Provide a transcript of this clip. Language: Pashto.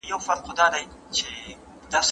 مطالعه بايد د مينې له مخې وي.